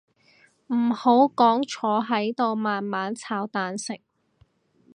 唔好講坐喺度慢慢炒蛋食